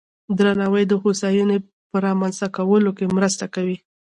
درناوی د هوساینې په رامنځته کولو کې مرسته کوي.